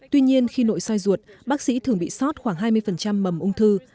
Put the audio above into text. tuy nhiên khi nội soi ruột bác sĩ thường bị sót khoảng hai mươi mầm ung thư